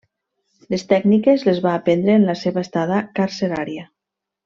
Les tècniques les va aprendre en la seva estada carcerària.